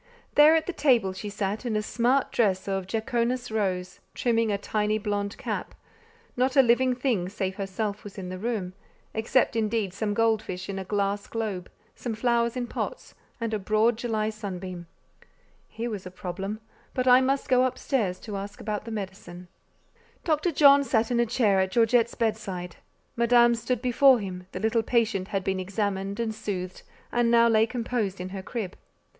There at the table she sat in a smart dress of "jaconas rose," trimming a tiny blond cap: not a living thing save herself was in the room, except indeed some gold fish in a glass globe, some flowers in pots, and a broad July sunbeam. Here was a problem: but I must go up stairs to ask about the medicine. Dr. John sat in a chair at Georgette's bedside; Madame stood before him; the little patient had been examined and soothed, and now lay composed in her crib.